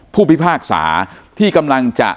ผู้พิพากษาที่กำลังจะ